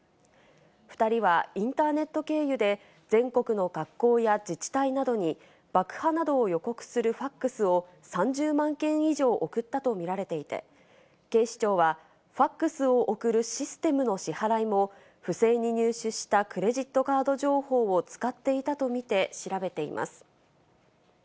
２人はインターネット経由で全国の学校や自治体などに爆破などを予告するファクスを３０万件以上送ったとみられていて、警視庁はファクスを送るシステムの支払いも不正に入手したクレジットカード情報を使っていたとみて調べています。